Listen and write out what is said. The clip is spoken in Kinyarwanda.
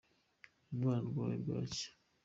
uyu mwana arwaye bwacyi